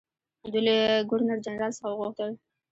دوی له ګورنرجنرال څخه وغوښتل.